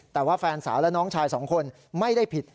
แต่ว่าแฟนสาวและน้องชายสองคนไม่ได้ผิด